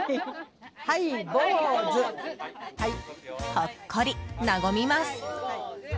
ほっこり和みます。